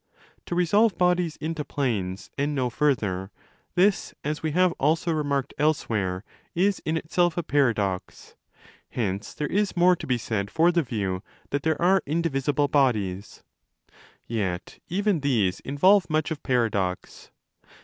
To resolve bodies into planes and no further—this, as we have also remarked elsewhere," is in itself a paradox. Hence there is more to be said for the view that there are indivisible bodies. Yet even these involve much of paradox.